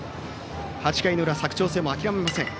８回の裏、佐久長聖も諦めません。